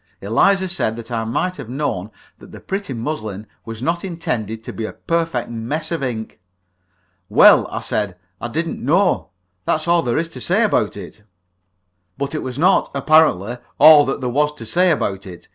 Eliza said that I might have known that the pretty muslin was not intended to be a perfect mess of ink. "Well," I said, "I didn't know. That's all there is to say about it." But it was not, apparently, all that there was to say about it.